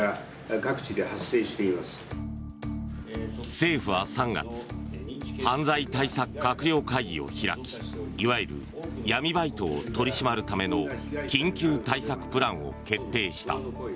政府は３月犯罪対策閣僚会議を開きいわゆる闇バイトを取り締まるための緊急対策プランを決定した。